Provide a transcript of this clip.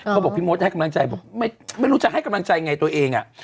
เขาบอกพี่มดให้กำลังใจบอกไม่รู้จะให้กำลังใจไงตัวเอง